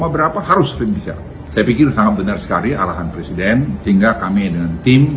beberapa harus tim bisa saya pikir sangat benar sekali arahan presiden sehingga kami dengan tim